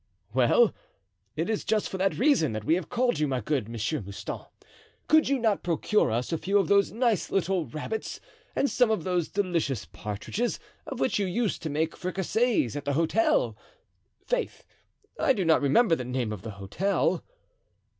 "Well, it is just for that reason that we have called you, my good M. Mouston. Could you not procure us a few of those nice little rabbits, and some of those delicious partridges, of which you used to make fricassees at the hotel——? 'Faith, I do not remember the name of the hotel."